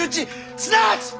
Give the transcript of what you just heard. すなわち！